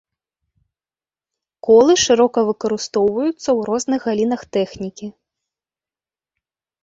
Колы шырока выкарыстоўваецца ў розных галінах тэхнікі.